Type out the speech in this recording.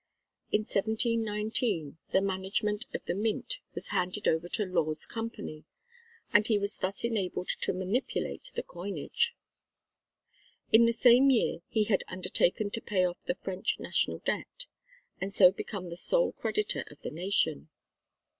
In 1719, the management of the Mint was handed over to Law's Company; and he was thus enabled to manipulate the coinage. In the same year he had undertaken to pay off the French National Debt, and so become the sole creditor of the Nation.